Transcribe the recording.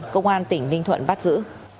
công an tỉnh ninh thuận bắt giữ